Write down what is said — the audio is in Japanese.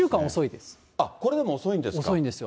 あっ、これでも遅いんですか。